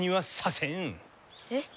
えっ？